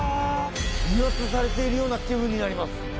威圧されているような気分になります。